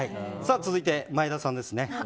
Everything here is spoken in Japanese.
続いて前田さんですね。